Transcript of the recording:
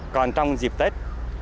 còn trong dịp tết